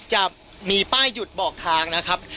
จะมีป้ายหยุดบอกทางนะครับ